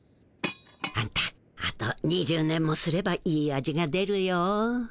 あんたあと２０年もすればいい味がでるよ。